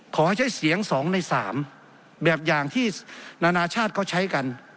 ขอให้ใช้เสียง๒ใน๓แบบอย่างที่นานาชาติเขาใช้กัน